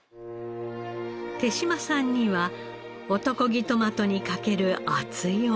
手島さんには男気トマトにかける熱い思いがありました。